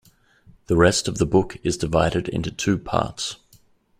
The rest of the book is divided into two parts.